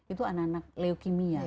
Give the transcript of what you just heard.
itu anak anak leukemia